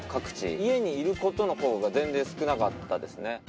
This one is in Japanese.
家にいることのほうが全然少なかったですね。